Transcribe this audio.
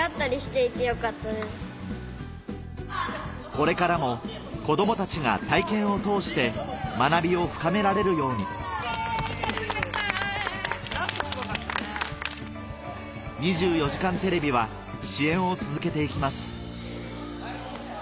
これからも子どもたちが体験を通して学びを深められるように『２４時間テレビ』は支援を続けていきます